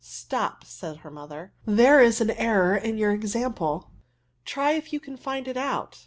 '"*' Stop,'* said ber mother ;there is an error in your example : tij if you can find it out."